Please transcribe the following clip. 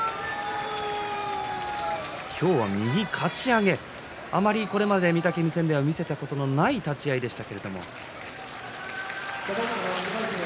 今日は、右かち上げあまり、これまで御嶽海戦では見せたことのない立ち合いでした。